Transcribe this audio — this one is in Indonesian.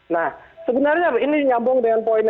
nah sebenarnya ini nyambung dengan poin yang lain